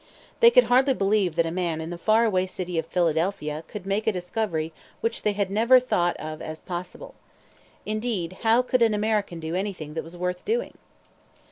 They could hardly believe that a man in the far away city of Philadelphia could make a discovery which they had never thought of as possible. Indeed, how could an American do anything that was worth doing?